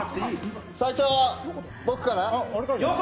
最初は僕から。